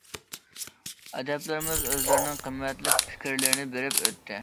ئەدىبلىرىمىز ئۆزلىرىنىڭ قىممەتلىك پىكىرلىرىنى بېرىپ ئۆتتى.